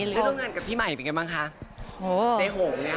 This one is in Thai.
แล้วโรงงานกับพี่ใหม่เป็นยังไงบ้างคะเจ๊โหงเนี่ยค่ะ